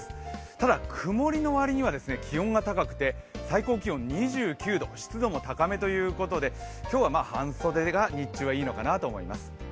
ただ曇りの割には気温が高くて最高気温２９度、湿度も高めということで今日は半袖が日中はいいのかなと思います。